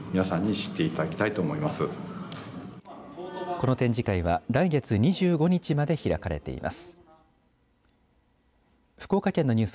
この展示会は来月２５日まで開かれています。